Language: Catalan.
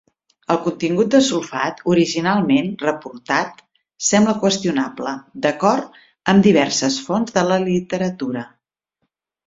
El contingut de sulfat originalment reportat sembla qüestionable d'acord amb diverses fonts de la literatura.